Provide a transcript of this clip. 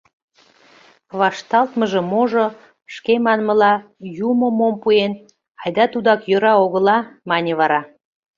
— Вашталтмыже можо... шке манмыла, юмо мом пуэн, айда тудак йӧра огыла, — мане вара.